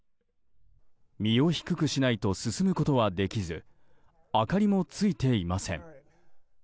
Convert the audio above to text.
身を低くしないと進むことはできず明かりもついていません。